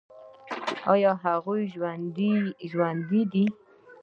ایا هغه ژوندی دی؟